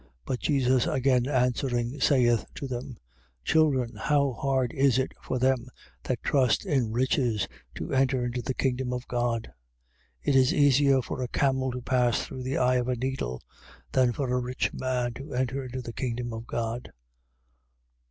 But Jesus again answering, saith to them: Children, how hard is it for them that trust in riches to enter into the kingdom of God? 10:25. It is easier for a camel to pass through the eye of a needle than for a rich man to enter into the kingdom of God.